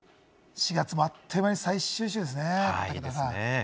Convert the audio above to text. ４月もあっという間に最終週ですね。